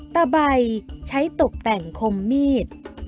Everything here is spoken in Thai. ตะใบใช้ตกแต่งคมมีด